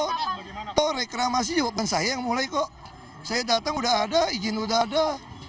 oh reklamasi jawaban saya yang mulai kok saya datang udah ada izin udah ada